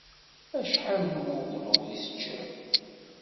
Acḥal n uguglu i teččiḍ?